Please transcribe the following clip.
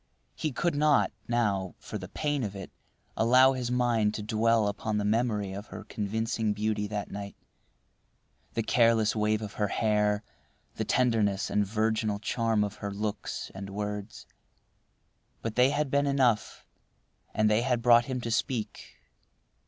He could not, now, for the pain of it, allow his mind to dwell upon the memory of her convincing beauty that night—the careless wave of her hair, the tenderness and virginal charm of her looks and words. But they had been enough, and they had brought him to speak.